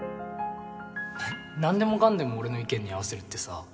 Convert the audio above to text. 何でもかんでも俺の意見に合わせるってさ